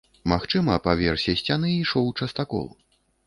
Магчыма, па версе сцяны ішоў частакол.